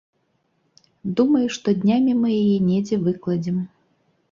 Думаю, што днямі мы яе недзе выкладзем.